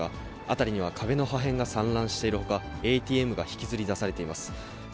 辺りには壁の破片が散乱しているほか、ＡＴＭが引きずり出されています。